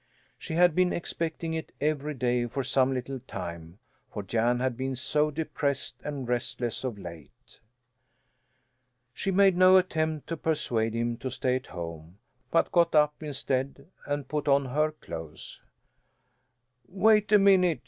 She had been expecting it every day for some little time, for Jan had been so depressed and restless of late. She made no attempt to persuade him to stay at home, but got up, instead, and put on her clothes. "Wait a minute!"